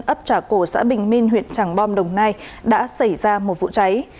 ấp trả cổ xã bình minh huyện trảng bom đồng nai đã xảy ra một vụ cháy